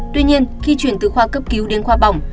tuy nhiên khi chuyển từ khoa cấp cứu đến khoa bỏng